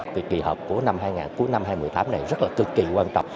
vì kỳ họp của năm hai nghìn một mươi tám này rất là cực kỳ quan trọng